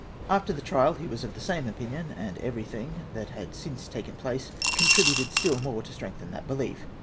After the trial he was of the same opinion, and everything that had since taken place contributed still more to strengthen that belief.